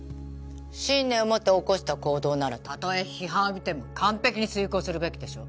信念をもって起こした行動ならたとえ批判を浴びても完璧に遂行するべきでしょう？